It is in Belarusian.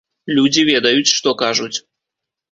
Людзі ведаюць, што кажуць.